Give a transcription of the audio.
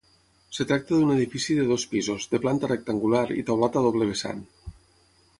Es tracta d'un edifici de dos pisos, de planta rectangular i teulat a doble vessant.